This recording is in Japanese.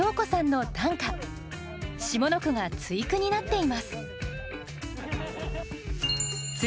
下の句が対句になっています